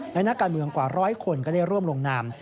และนักการเมืองกว่าร้อยคนก็ได้ร่วมลงนาม